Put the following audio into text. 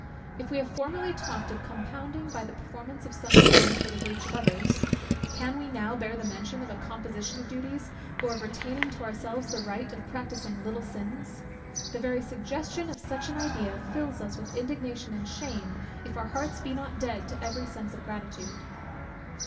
If we have formerly talked of compounding by the performance of some commands for the breach of others; can we now bear the mention of a composition of duties, or of retaining to ourselves the right of practising little sins! The very suggestion of such an idea fills us with indignation and shame, if our hearts be not dead to every sense of gratitude.